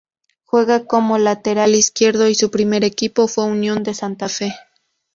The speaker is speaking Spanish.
Juega como lateral izquierdo y su primer equipo fue Unión de Santa Fe.